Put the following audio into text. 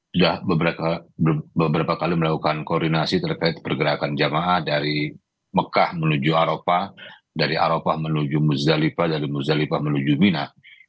sudah beberapa kali melakukan koordinasi terkait pergerakan jamaah dari mekah menuju aropa dari aropa menuju muzalipa dari muzalipah menuju mina